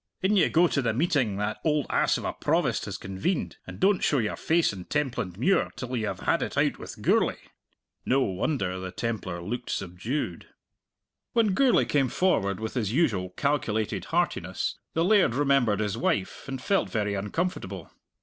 In you go to the meeting that oald ass of a Provost has convened, and don't show your face in Templandmuir till you have had it out with Gourlay!" No wonder the Templar looked subdued. When Gourlay came forward with his usual calculated heartiness, the laird remembered his wife and felt very uncomfortable.